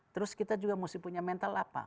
terus kita juga mesti punya mental apa